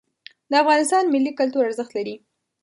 د افغانستان ملي کلتور ارزښت لري.